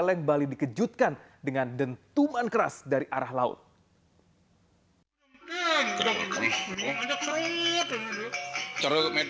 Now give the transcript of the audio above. dan bali dikejutkan dengan dentuman keras dari arah laut